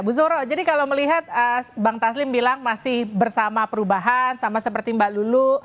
bu zoro jadi kalau melihat bang taslim bilang masih bersama perubahan sama seperti mbak lulu